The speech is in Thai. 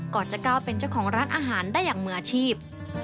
จะก้าวเป็นเจ้าของร้านอาหารได้อย่างมืออาชีพ